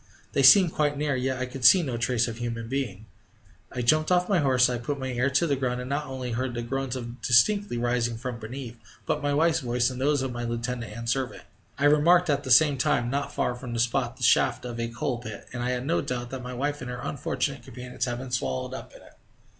They seemed quite near, and yet I could see no trace of a human being. I jumped off my horse; I put my ear to the ground, and not only heard the groans distinctly rising from beneath, but my wife's voice and those of my lieutenant and servant. I remarked at the same time, not far from the spot, the shaft of a coal pit, and I had no doubt that my wife and her unfortunate companions had been swallowed up in it.